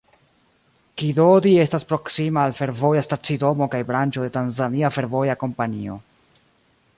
Kidodi estas proksima al fervoja stacidomo kaj branĉo de Tanzania Fervoja Kompanio.